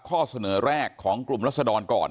ข้อเสนอแรกของกลุ่มรัศดรก่อน